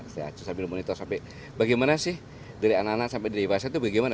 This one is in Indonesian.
saya sambil monitor sampai bagaimana sih dari anak anak sampai dewasa itu bagaimana